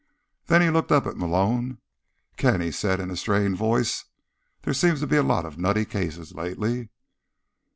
Then he looked up at Malone. "Ken," he said in a strained voice, "there seem to be a lot of nutty cases lately."